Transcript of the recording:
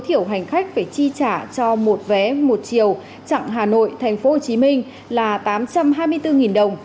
thiểu hành khách phải chi trả cho một vé một chiều chặng hà nội thành phố hồ chí minh là tám trăm hai mươi bốn đồng